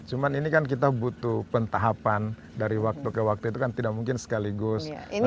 cuma ini kan kita butuh pentahapan dari waktu ke waktu itu kan tidak mungkin sekaligus